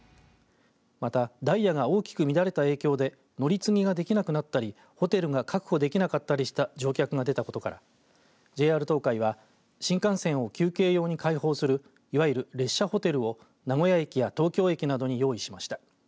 またダイヤが大きく乱れた影響で乗り継ぎができなくなったりホテルが確保できなかったりした乗客が出たことからＪＲ東海は新幹線を休憩用に開放するいわゆる列車ホテルを名古屋駅や東京駅などに用意しました。